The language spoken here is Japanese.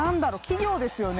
企業ですよね